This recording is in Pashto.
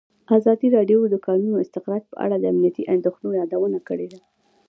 ازادي راډیو د د کانونو استخراج په اړه د امنیتي اندېښنو یادونه کړې.